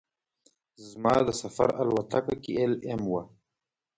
زما د سفر الوتکه کې ایل ایم وه.